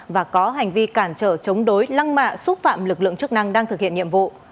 và có hành vi cản trở chống đối lăng mạ xúc phạm lực lượng chức năng đang thực hiện nhiệm vụ